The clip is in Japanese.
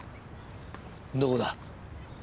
どこだ？